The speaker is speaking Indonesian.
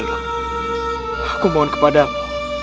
aku mohon kepadamu